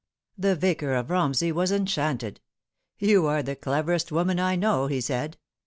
The Vicar of Eomsey was enchanted. 'You are the cleverest woman I know,' he said.